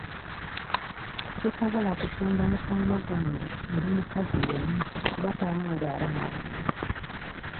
Sisobola kusemba mukwano gwange eri mukazi yenna kuba tawangaala nabo.